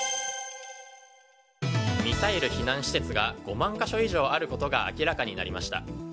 ミサイル避難施設が５万か所以上あることが明らかになりました。